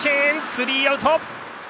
スリーアウト。